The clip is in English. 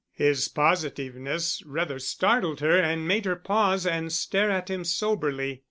His positiveness rather startled her and made her pause and stare at him soberly.